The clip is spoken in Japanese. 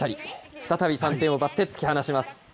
再び３点を奪って突き放します。